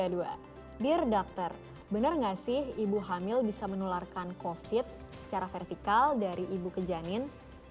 dear doctor benar nggak sih ibu hamil bisa menularkan covid secara vertikal dari ibu ke janin